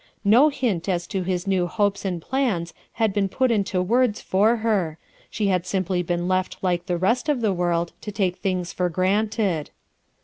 No hint as to his new 1 opes and plans had been put into words for her' she had simply been left like the rest of t] ie world to take things for granted.